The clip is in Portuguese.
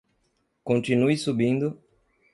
Continue subindo